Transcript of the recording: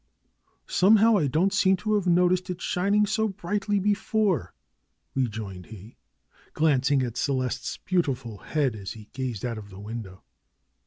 "Somehow I don't seem to have noticed it shining so brightly before," rejoined he, glancing at Celeste's beautiful head as he gazed out of the window.